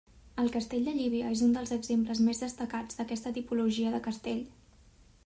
El castell de Llívia és un dels exemples més destacats d'aquesta tipologia de castell.